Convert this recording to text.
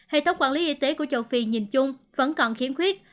hệ thống quản lý y tế của châu phi nhìn chung vẫn còn khiếm khuyết